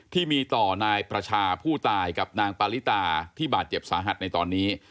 ที่มีต่อนายประชาผู้ตายกับนางปาริตาที่บาดเจ็บสาหัสในตอนนี้